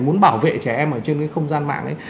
muốn bảo vệ trẻ em ở trên cái không gian mạng ấy